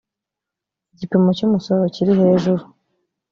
igipimo cy ‘umusoro kirihejuru.